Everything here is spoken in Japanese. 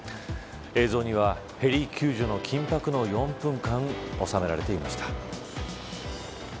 映像にはヘリ救助の緊迫の４分間収められていました。